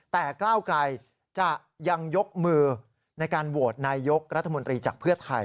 แต่ก้าวไกลจะยังยกมือในการโหวตนายกรัฐมนตรีจากเพื่อไทย